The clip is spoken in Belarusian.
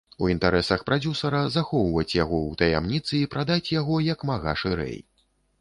У інтарэсах прадзюсара захоўваць яго ў таямніцы і прадаць яго як мага шырэй.